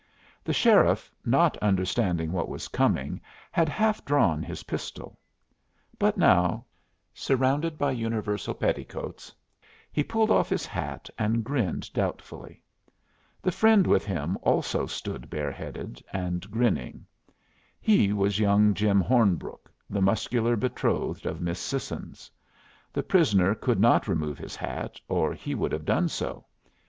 The sheriff, not understanding what was coming, had half drawn his pistol; but now, surrounded by universal petticoats, he pulled off his hat and grinned doubtfully. The friend with him also stood bareheaded and grinning. He was young Jim Hornbrook, the muscular betrothed of Miss Sissons. The prisoner could not remove his hat, or he would have done so.